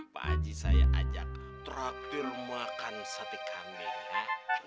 pak haji saya ajak traktir makan sate kambing